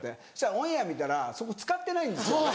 オンエア見たらそこ使ってないんですよ。